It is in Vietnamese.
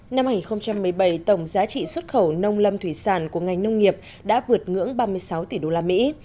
năm hai nghìn một mươi bảy tổng giá trị xuất khẩu nông lâm thủy sản của ngành nông nghiệp đã vượt ngưỡng ba mươi sáu tỷ đô la mỹ